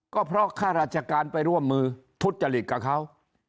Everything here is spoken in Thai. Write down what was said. ก็เพราะข้าราชการไปร่วมมือทุจริตกับเขา